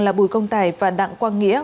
là bùi công tài và đặng quang nghĩa